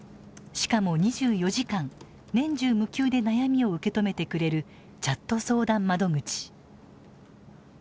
しかも２４時間年中無休で悩みを受け止めてくれるチャット相談窓口。